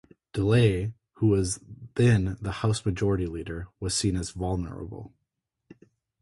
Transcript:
DeLay, who was then the House Majority Leader, was seen as vulnerable.